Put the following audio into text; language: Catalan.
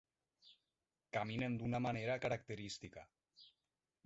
Caminen d'una manera característica.